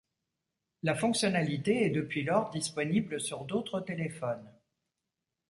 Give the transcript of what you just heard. La fonctionnalité est depuis lors disponible sur d'autres téléphones.